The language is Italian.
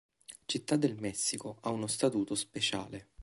Città del Messico ha uno statuto speciale.